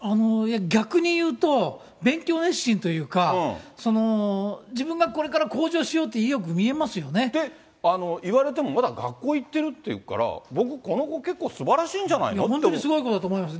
逆に言うと、勉強熱心というか、自分がこれから向上しよで、言われても、まだ学校行ってるっていうから、僕、この子、結構、すばらしいん本当にすごい子だと思います。